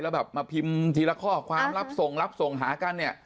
แล้วแบบมาพิมพ์ทีละข้อความรับส่งรับส่งหากันเนี่ย